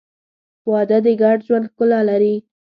• واده د ګډ ژوند ښکلا لري.